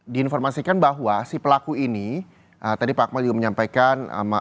diinformasikan bahwa si pelaku ini tadi pak akmal juga menyampaikan